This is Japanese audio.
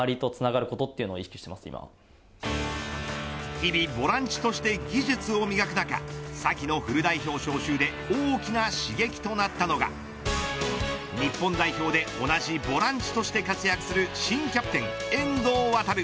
日々ボランチとして技術を磨く中先のフル代表招集で大きな刺激となったのが日本代表で同じボランチとして活躍する新キャプテン、遠藤航。